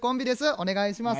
お願いします。